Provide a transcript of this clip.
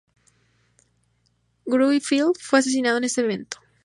Gruffydd fue asesinado en ese evento.